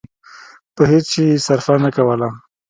په هېڅ شي يې صرفه نه کوله.